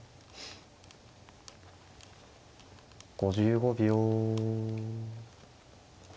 ５５秒。